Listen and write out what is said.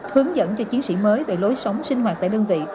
hướng dẫn cho chiến sĩ mới về lối sống sinh hoạt tại đơn vị